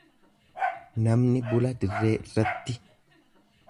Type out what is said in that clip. Namni bula dirree irratti.